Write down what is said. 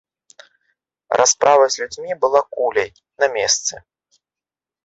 Расправа з людзьмі была куляй, на месцы.